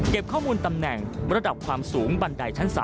ข้อมูลตำแหน่งระดับความสูงบันไดชั้น๓